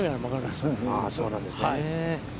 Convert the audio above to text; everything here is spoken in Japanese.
そうなんですね。